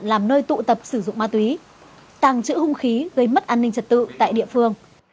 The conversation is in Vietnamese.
làm nơi tụ tập sử dụng ma túy tàng trữ hung khí gây mất an ninh trật tự tại địa phương